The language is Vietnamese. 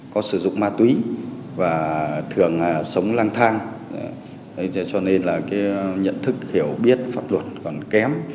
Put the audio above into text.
cho nên là cái nhận thức hiểu biết pháp luật còn kém